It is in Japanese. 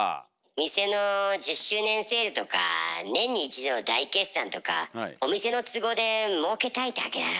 店の１０周年セールとか年に一度大決算とかお店の都合でもうけたいだけだろ？